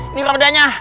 ini kok udahnya